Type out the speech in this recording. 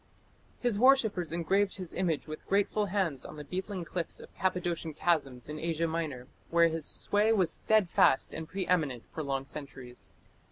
His worshippers engraved his image with grateful hands on the beetling cliffs of Cappadocian chasms in Asia Minor, where his sway was steadfast and pre eminent for long centuries.